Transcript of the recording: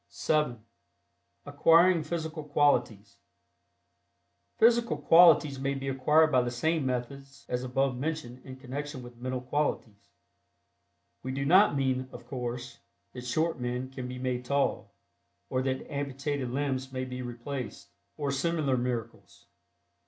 (7) ACQUIRING PHYSICAL QUALITIES. Physical qualities may be acquired by the same methods as above mentioned in connection with mental qualities. We do not mean, of course, that short men can be made tall, or that amputated limbs may be replaced, or similar miracles.